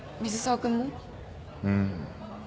うん。